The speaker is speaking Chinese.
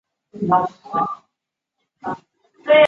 由铁道部与贵州省各出资一半。